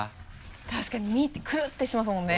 確かに「み」ってくるってしますもんね。